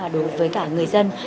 đối với cả người dân